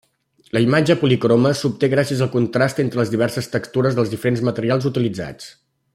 La imatge policroma s'obté gràcies al contrast entre les diverses textures dels diferents materials utilitzats.